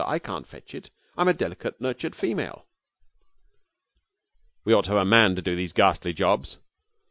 I can't fetch it. I'm a delicately nurtured female.' 'We ought to have a man to do these ghastly jobs.'